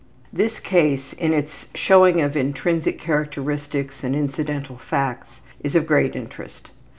This case in its showing of intrinsic characteristics and incidental facts is of great interest.